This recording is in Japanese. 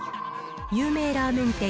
有名ラーメン店